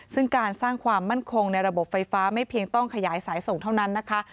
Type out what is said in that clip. ซึ่งการสร้างความมั่นคงในระบบไฟฟ้าไม่เพียงต้องขยายสายส่งเท่านั้นนะคะ